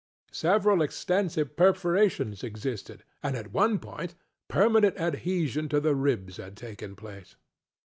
Several extensive perforations existed; and, at one point, permanent adhesion to the ribs had taken place.